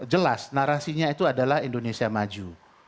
jelas narasinya itu adalah indonesia maju